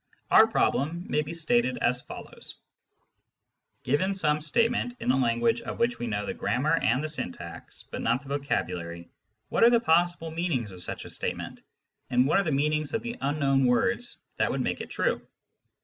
Our problem may be stated as follows :— Given some statement in a language of which we know the grammar and the syntax, but not the vocabulary, what are the possible meanings of such a statement, and what are the mean ings of the unknown words that would make it true